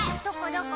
どこ？